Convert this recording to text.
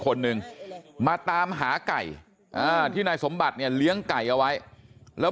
คนหนึ่งมาตามหาไก่อ่าที่นายสมบัติเนี่ยเลี้ยงไก่เอาไว้แล้ว